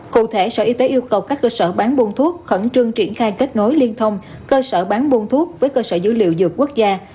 cụ thể sở y tế yêu cầu các cơ sở bán buôn thuốc khẩn trương triển khai kết nối liên thông cơ sở bán buôn thuốc với cơ sở dữ liệu dược quốc gia